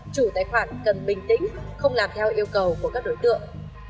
chủ tài khoản cần bình tĩnh không làm theo yêu cầu của các đối tượng